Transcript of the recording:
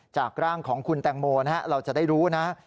จากร่างของคุณแตงโมนะฮะเราจะได้รู้นะฮะ